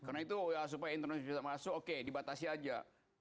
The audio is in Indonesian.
karena itu supaya internasional bisa masuk oke dibatasi aja